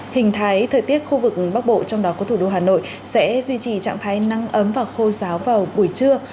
hình thái thời tiết khu vực bắc bộ trong đó có thủ đô hà nội sẽ duy trì trạng thái nắng ấm và khô giáo vào buổi trưa